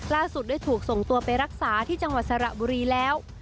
ล่าสุดได้ถูกส่งตัวไปรักษาที่จังหวัดสระบุรีแล้ว